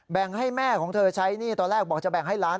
แบ่งให้แม่ของเธอใช้หนี้ตอนแรกบอกจะแบ่งให้ล้าน